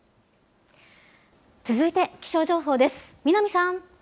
続いて気象情報です。